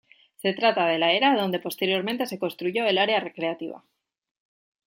Se trata de la era donde posteriormente se construyó el área recreativa.